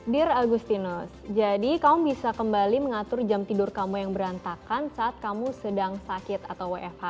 dear agustinus jadi kamu bisa kembali mengatur jam tidur kamu yang berantakan saat kamu sedang sakit atau wfh